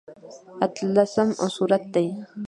اتلسم سورت دی.